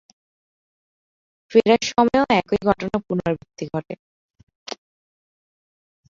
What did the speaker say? ফেরার সময়ও একই ঘটনার পুনরাবৃত্তি ঘটে।